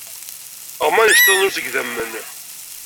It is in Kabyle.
Ɣman iceṭṭiḍen-iw seg idammen.